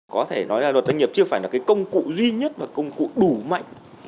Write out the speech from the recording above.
có thể nói là luật doanh nghiệp chưa phải là công cụ duy nhất và công cụ đủ mạnh